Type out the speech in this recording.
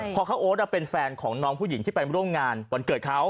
พอเขาโอ๊ตเป็นแฟนของน้องผู้หญิงที่ไปร่วมงานวันเกิดเขา